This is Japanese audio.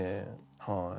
はい。